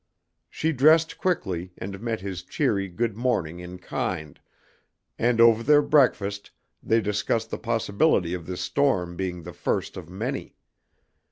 She dressed quickly, and met his cheery "good morning" in kind, and over their breakfast they discussed the possibility of this storm being the first of many.